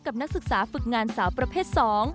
นักศึกษาฝึกงานสาวประเภท๒